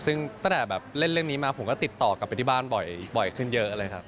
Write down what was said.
ซึ่งตั้งแต่แบบเล่นเรื่องนี้มาผมก็ติดต่อกลับไปที่บ้านบ่อยขึ้นเยอะเลยครับ